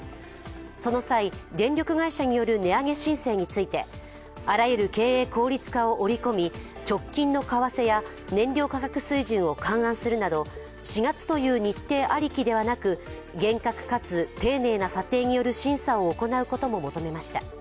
その際、電力会社による値上げ申請について、あらゆる経営効率化を織り込み直近の為替や燃料価格水準を勘案するなど４月という日程ありきではなく、厳格かつ丁寧な査定による審査を行うことも求めました。